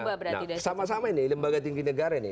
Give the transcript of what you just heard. nah artinya sama sama ini lembaga tinggi negara ini